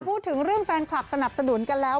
พูดถึงเรื่องแฟนคลับสนับสนุนกันแล้ว